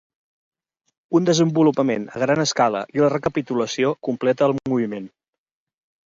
Un desenvolupament a gran escala i la recapitulació completa el moviment.